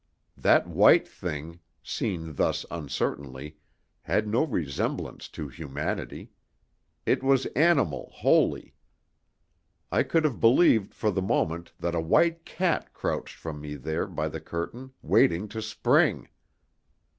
That white thing, seen thus uncertainly, had no semblance to humanity. It was animal wholly. I could have believed for the moment that a white cat crouched from me there by the curtain, waiting to spring.